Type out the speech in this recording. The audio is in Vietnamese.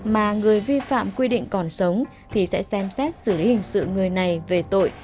mà người vi phạm quy định còn sống thì sẽ xem xét xử lý hình sự người này về tội